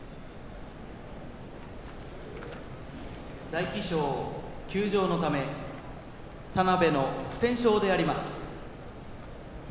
大喜翔休場のため田邉の不戦勝であります。